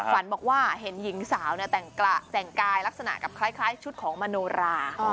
ฝันบอกว่าเห็นหญิงสาวแต่งกายลักษณะกับคล้ายชุดของมโนรา